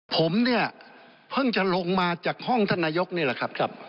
ผมเนี่ยเพิ่งจะลงมาจากห้องท่านนายกนี่แหละครับ